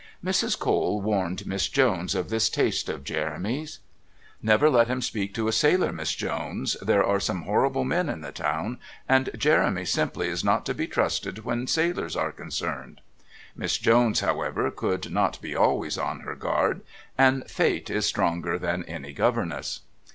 Mrs. Cole warned Miss Jones of this taste of Jeremy's: "Never let him speak to a sailor, Miss Jones. There are some horrible men in the town, and Jeremy simply is not to be trusted when sailors are concerned." Miss Jones, however, could not be always on her guard, and Fate is stronger than any governess...